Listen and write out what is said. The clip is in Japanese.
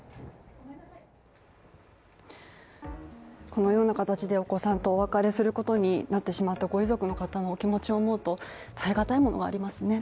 このような形でお子さんとお別れすることになってしまったご遺族の方のお気持ちを思うと耐えがたいものがありますね。